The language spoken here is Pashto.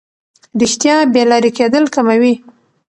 رښتیا بې لارې کېدل کموي.